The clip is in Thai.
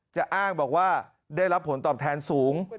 จะอ้างบอกว่าได้รับผลตอบแทนสูง